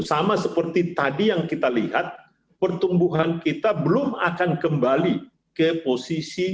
sama seperti tadi yang kita lihat pertumbuhan kita belum akan kembali ke posisi